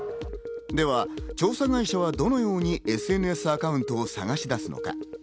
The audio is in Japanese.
では調査会社はどのようにＳＮＳアカウントを探し出すのか。